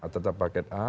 tetap paket a